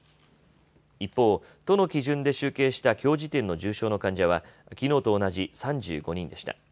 一方、都の基準で集計したきょう時点の重症の患者はきのうと同じ３５人でした。